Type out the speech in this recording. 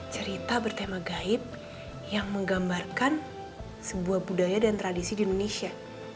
cerita bertema gaib yang menggambarkan sebuah budaya dan tradisi di indonesia